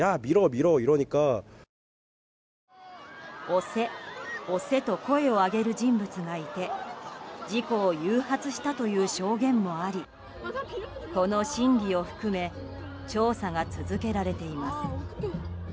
押せ、押せと声を上げる人物がいて事故を誘発したという証言もありこの真偽を含め調査が続けられています。